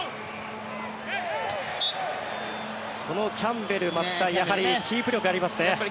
このキャンベル松木さん、キープ力ありますね。